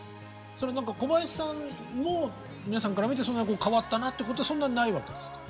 それは何か小林さんも皆さんから見て変わったなっていうことそんなにないわけですか？